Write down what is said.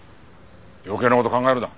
余計な事考えるな。